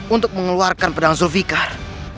untuk mengeluarkan pedang zulfiqar